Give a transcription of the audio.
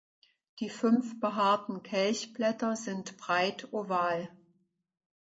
Die fünf behaarten Kelchblätter sind breit oval.